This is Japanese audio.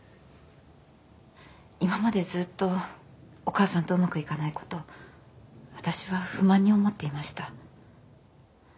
今までずっとお母さんとうまくいかないことわたしは不満に思っていました。